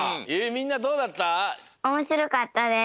みんなどうだった？